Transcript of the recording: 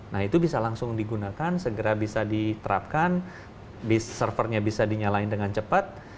nah itu bisa langsung digunakan segera bisa diterapkan servernya bisa dinyalain dengan cepat